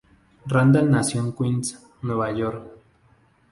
Randall nació en Queens, Nueva York.